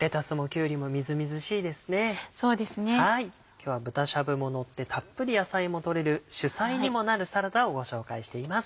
今日は豚しゃぶものってたっぷり野菜も取れる主菜にもなるサラダをご紹介しています。